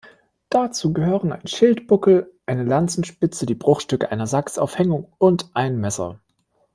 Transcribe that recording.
Dazu gehören ein Schildbuckel, eine Lanzenspitze, die Bruchstücke einer Sax-Aufhängung und ein Messer.